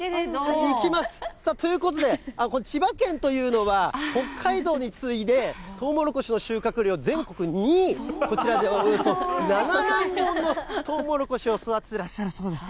いきます、さあ、ということで千葉県というのは、北海道に次いで、とうもろこしの収穫量全国２位、こちらではおよそ７万本のとうもろこしを育ててらっしゃるそうなんです。